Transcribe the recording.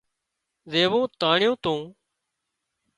زيوون تانڻيون تو